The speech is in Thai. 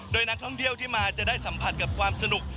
โดยนักท่องเที่ยวที่มาจะได้สัมผัสกับความสนุก